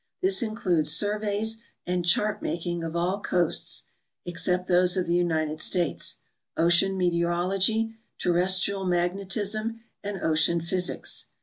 This includes surveys and chart making of all coasts (except those of the United States), ocean meteorology, terrestial mag netism, and ocean physics.